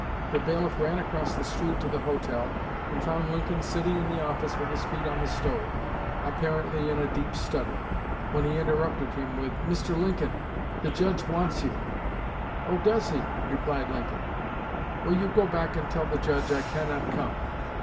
The bailiff ran across the street to the hotel, and found Lincoln sitting in the office with his feet on the stove, apparently in a deep study, when he interrupted him with: "Mr. Lincoln, the Judge wants you." "Oh, does he?" replied Lincoln. "Well, you go back and tell the Judge I cannot come.